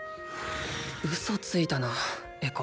ウソついたなエコ。